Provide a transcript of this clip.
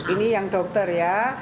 ini yang dokter ya